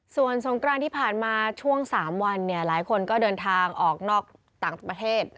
ส่วนสงกรานที่ผ่านมาช่วง๓วันเนี่ยหลายคนก็เดินทางออกนอกต่างประเทศ